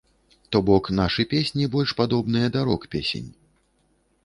То бок нашы песні больш падобныя да рок-песень.